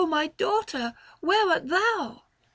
my daughter ! where art thou